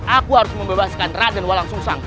aku harus membebaskan raden walang susang